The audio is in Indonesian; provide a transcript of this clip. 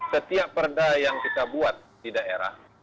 setiap perda yang kita buat di daerah